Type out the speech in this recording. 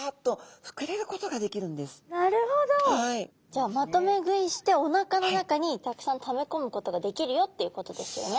じゃあまとめ食いしておなかの中にたくさんためこむことができるよっていうことですよね？